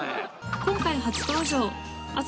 今回初登場阿蘇